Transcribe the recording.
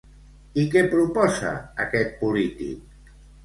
I què proposa aquest polític?